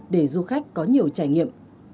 để du khách có nhiều trải nghiệm